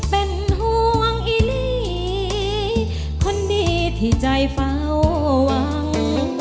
เป็นห่วงอีลีคนดีที่ใจเฝ้าหวัง